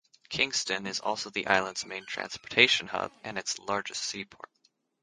Kingston is also the island's main transportation hub and its largest seaport.